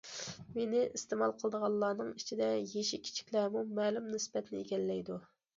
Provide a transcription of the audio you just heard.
مېنى ئىستېمال قىلىدىغانلارنىڭ ئىچىدە يېشى كىچىكلەرمۇ مەلۇم نىسبەتنى ئىگىلەيدۇ.